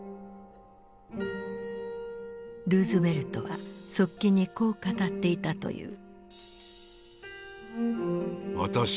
ルーズベルトは側近にこう語っていたという。